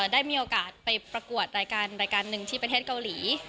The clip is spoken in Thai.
ได้มีโอกาสไปประกวดรายการรายการหนึ่งที่ประเทศเกาหลี